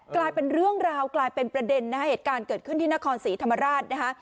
กลายเป็นเรื่องราวกลายเป็นประเด็นนะฮะเหตุการณ์เกิดขึ้นที่นครศรีธรรมราชนะคะ